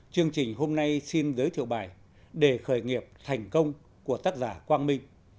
chương trình hôm nay xin giới thiệu bài để khởi nghiệp thành công của tác giả quang minh